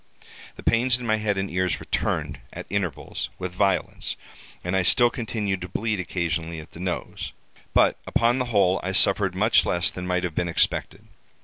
The pains in my head and ears returned, at intervals, with violence, and I still continued to bleed occasionally at the nose; but, upon the whole, I suffered much less than might have been expected.